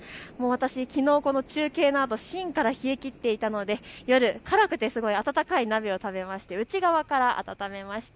きのう中継のあと芯から冷え切っていたので夜、辛くて温かい鍋を食べまして内側から温めました。